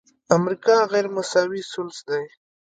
امریکا غیرمساوي ثلث کې ده.